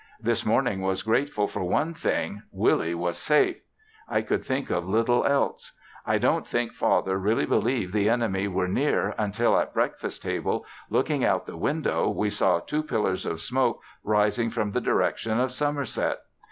This morning was grateful for one thing, Willie was safe! I could think of little else. I don't think Father really believed the enemy were near until at breakfast table, looking out the window we saw two pillars of smoke rising from the direction of Somerset.